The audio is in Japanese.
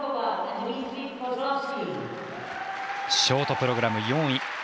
ショートプログラム４位。